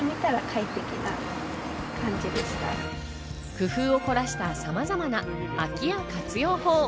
工夫を凝らしたさまざまな空き家活用法。